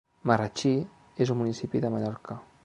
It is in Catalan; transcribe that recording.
Marratxí és un municipi de Mallorca.